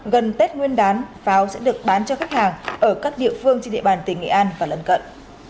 gần tết nguyên đán pháo sẽ được bán cho khách hàng ở các địa phương trên địa bàn tỉnh nghệ an và lân cận